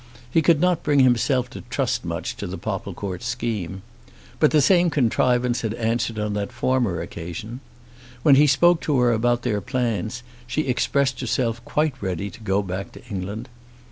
He could not bring himself to trust much to the Popplecourt scheme. But the same contrivance had answered on that former occasion. When he spoke to her about their plans, she expressed herself quite ready to go back to England.